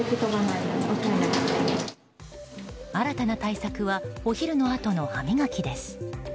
新たな対策はお昼のあとの歯磨きです。